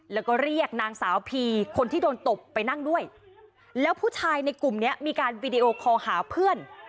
แล้วก็เรียกนางสาวพีคนที่โดนตบไปนั่งด้วยแล้วผู้ชายในกลุ่มนี้มีการวีดีโอคอลหาเพื่อน